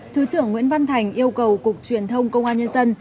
thứ trưởng nguyễn văn thành yêu cầu cục truyền thông công an nhân dân